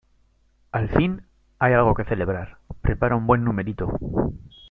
al fin hay algo que celebrar. prepara un buen numerito .